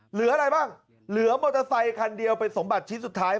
เหลืออะไรบ้างเหลือมอเตอร์ไซคันเดียวเป็นสมบัติชิ้นสุดท้าย